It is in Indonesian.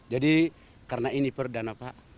jadi karena ini perdan apa